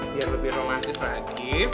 biar lebih romantis lagi